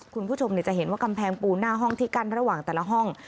คุณผู้ชมจะเห็นว่ากำแพงปูนหน้าห้องที่กั้นระหว่างแต่ละห้อง